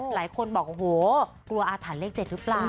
หลายคนบอกโอ้โหกลัวอาถรรพ์เลข๗หรือเปล่า